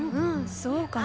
そうかな。